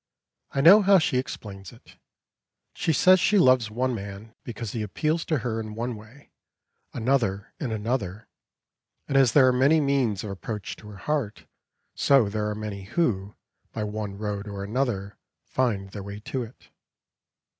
I know how she explains it. She says she loves one man because he appeals to her in one way, another in another; and as there are many means of approach to her heart, so there are many who, by one road or another, find their way to it.